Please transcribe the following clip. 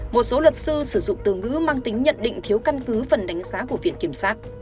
một số luật sư sử dụng từ ngữ mang tính nhận định thiếu căn cứ phần đánh giá của viện kiểm sát